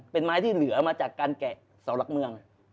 เป็นไม้ที่เหลือมาจากการแกะเสาหลักเมือง